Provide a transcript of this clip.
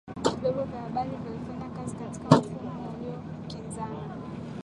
Vyombo vya habari vilifanya kazi katika mfumo unaokinzana